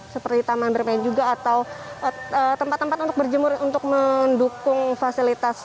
seperti taman bermain juga atau tempat tempat untuk berjemur untuk mendukung fasilitas